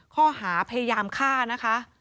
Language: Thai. ข้อหาพยายามฆ่านะคะ